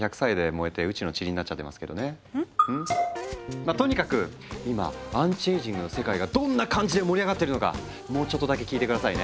まあとにかく今アンチエイジングの世界がどんな感じで盛り上がってるのかもうちょっとだけ聞いて下さいね。